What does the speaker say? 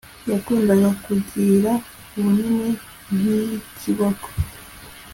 Yakundaga kugira ubunini nkikiboko